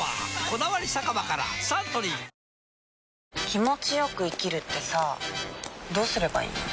「こだわり酒場」からサントリー気持ちよく生きるってさどうすればいいの？